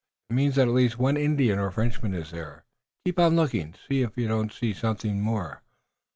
"It means that at least one Indian or Frenchman is there. Keep on looking and see if you don't see something more."